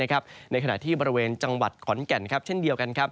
ในขณะที่บริเวณจังหวัดขอนแก่นเช่นเดียวกันครับ